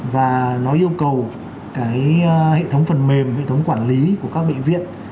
và nó yêu cầu cái hệ thống phần mềm hệ thống quản lý của các bệnh viện